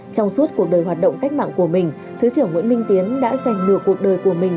trong suốt cuộc đời hoạt động cách mạng của mình thứ trưởng nguyễn minh tiến đã giành nửa cuộc đời của mình